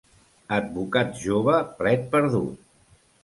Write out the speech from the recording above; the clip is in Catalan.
Advocat jove, plet perdut.